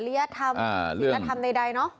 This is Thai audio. ริยธรรมศิลธรรมใดเนอะ